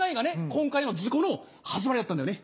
今回の事故の始まりだったんだよね。